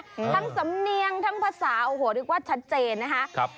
ทั้งสำเนียงทั้งภาษาแล้วถึงหัวชัดเจนนะครับ